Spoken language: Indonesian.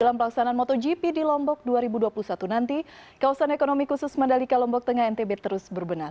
dalam pelaksanaan motogp di lombok dua ribu dua puluh satu nanti kawasan ekonomi khusus mandalika lombok tengah ntb terus berbenah